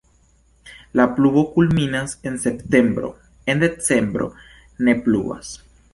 La pluvo kulminas en septembro, en decembro ne pluvas.